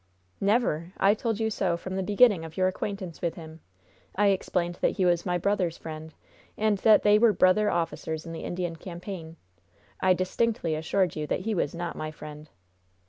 "Never! I told you so from the beginning of your acquaintance with him. I explained that he was my brother's friend, and that they were brother officers in the Indian campaign. I distinctly assured you that he was not my friend."